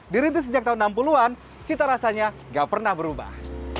dirintis sejak tahun enam puluh an cita rasanya gak pernah berubah